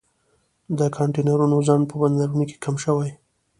د کانټینرونو ځنډ په بندرونو کې کم شوی